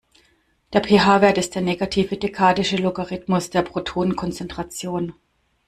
Der pH-Wert ist der negative dekadische Logarithmus der Protonenkonzentration.